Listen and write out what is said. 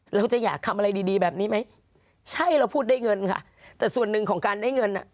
เราจะอยากทำอะไรดีดีแบบนี้ไหมใช่เราพูดได้เงินค่ะแต่ส่วนหนึ่งของการได้เงินอ่ะ